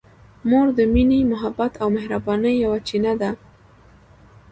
مور د مینې، محبت او مهربانۍ یوه چینه ده.